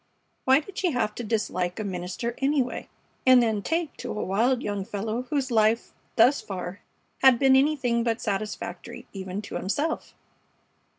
Why did she have to dislike a minister, anyway, and then take to a wild young fellow whose life thus far had been anything but satisfactory even to himself?